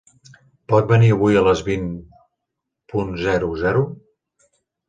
Pot venir avui a les vint punt zero zero?